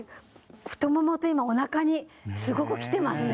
太ももと今おなかにすごくきてますね。